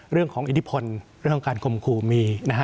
เรื่องของอิทธิพลเรื่องของการคมคู่มี